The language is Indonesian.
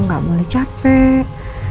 gak boleh capek